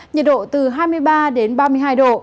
nhiệt độ từ hai mươi ba đến ba mươi hai độ